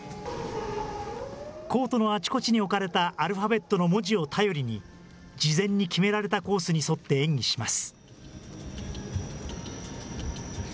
コートのあちこちに置かれたアルファベットの文字を頼りに、事前に決められたコースに沿って演技します。